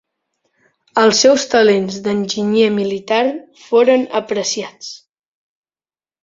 Els seus talents d'enginyer militar foren apreciats.